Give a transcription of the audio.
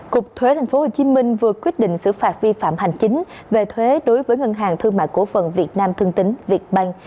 cục thuế tp hcm vừa quyết định xử phạt vi phạm hành chính về thuế đối với ngân hàng thương mại cổ phần việt nam thương tính việt ban